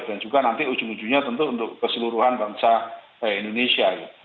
dan juga nanti ujung ujungnya tentu untuk keseluruhan bangsa indonesia gitu